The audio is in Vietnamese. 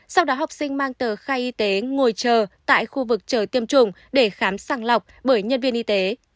sau đó học sinh mang tờ khai y tế ngồi chờ tại khu vực chờ tiêm chủng để khám sàng lọc bởi nhân viên y tế